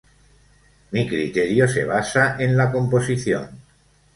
Mi criterio se basa en la composición.